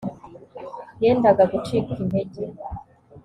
Yenda gucika intege